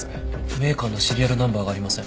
メーカーのシリアルナンバーがありません。